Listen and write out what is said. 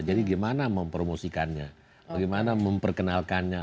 jadi gimana mempromosikannya gimana memperkenalkannya